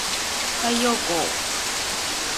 太陽光